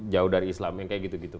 jauh dari islam yang seperti itu